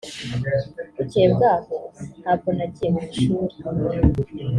Bukeye bwaho ntabwo nagiye ku ishuli